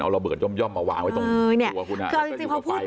เอาระเบิดย่อมย่อมมาวางไว้ตรงเออเนี้ยคืออาจจริงจริงพอพูด